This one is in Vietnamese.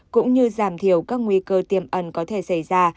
cũng như giảm thiểu các nguy cơ tiềm ẩn có thể xảy ra